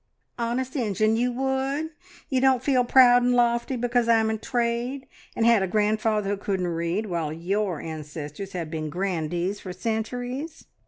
"Honest Injun, you would? You don't feel proud and lofty because I'm in trade, and had a grandfather who couldn't read, while your ancestors have been grandees for centuries?